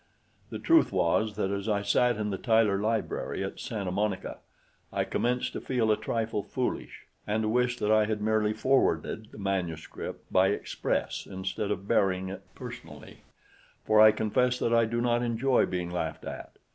The truth was that as I sat in the Tyler library at Santa Monica I commenced to feel a trifle foolish and to wish that I had merely forwarded the manuscript by express instead of bearing it personally, for I confess that I do not enjoy being laughed at.